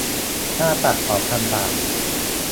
ค่าปรับสองพันบาท